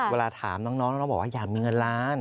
เวลาถามน้องน้องบอกว่าอยากมีเงินล้าน